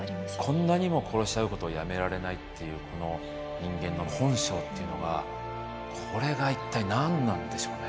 こんなにも殺し合うことをやめられないっていうこの人間の本性っていうのがこれが一体何なんでしょうね。